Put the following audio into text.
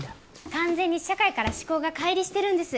完全に社会から思考が乖離してるんです。